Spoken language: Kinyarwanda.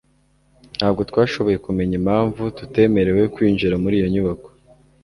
Ntabwo twashoboye kumenya impamvu tutemerewe kwinjira muri iyo nyubako.